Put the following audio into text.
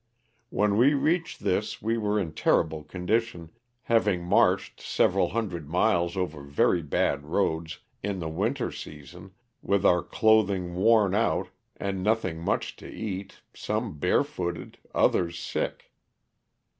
When we reached this we were in a terrible condition, having marched several hundred miles over very bad roads, in the winter season, with our clothing worn out and nothing much LOSS OF THE SULTAITA. 63 to eat, some barefooted, others sick.